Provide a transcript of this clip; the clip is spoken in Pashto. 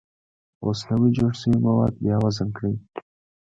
اوس نوي جوړ شوي مواد بیا وزن کړئ.